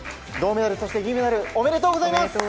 銅メダル、そして銀メダルおめでとうございます。